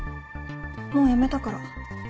もうやめたから。